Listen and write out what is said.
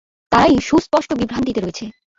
তারাই সুস্পষ্ট বিভ্রান্তিতে রয়েছে।